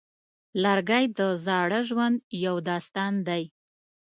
لرګی د زاړه ژوند یو داستان دی.